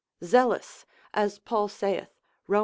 Zealous (as Paul saith, Rom.